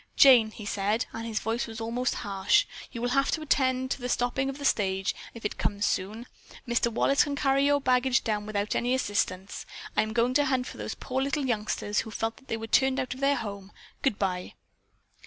"Jane," he said, and his voice was almost harsh, "you will have to attend to stopping the stage if it comes soon. Mr. Wallace can carry your baggage down without my assistance. I am going to hunt for those poor little youngsters who felt that they were turned out of their home. Goodbye."